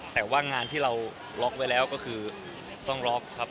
แต่ว่างานที่เราล็อกไว้แล้วก็คือต้องล็อกครับ